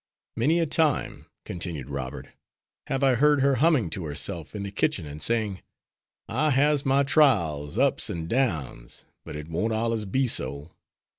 "Many a time," continued Robert, "have I heard her humming to herself in the kitchen and saying, 'I has my trials, ups and downs, but it won't allers be so.